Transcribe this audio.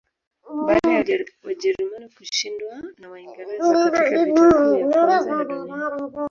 Baada ya Wajerumani kushindwa na Waingereza katika Vita Kuu ya Kwanza ya dunia